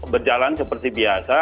berjalan seperti biasa